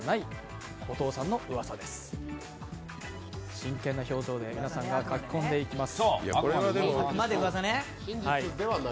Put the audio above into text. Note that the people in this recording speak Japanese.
真剣な表情で皆さんが書き込んでいきます。